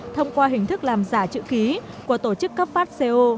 thông qua hình thức làm giả chữ ký của tổ chức cấp phát co